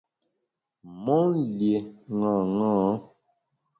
Mon lié ṅaṅâ.